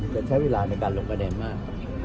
จะใช้เวลาในการลงคะแนนมาก